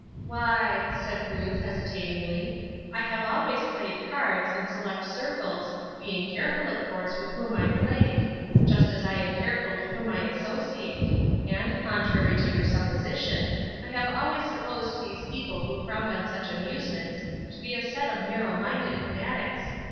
"Why," said Ruth, hesitatingly, "I have always played cards, in select circles, being careful, of course, with whom I played; just as I am careful with whom I associate, and, contrary to your supposition, I have always supposed those people who frowned on such amusements to be a set of narrow minded fanatics.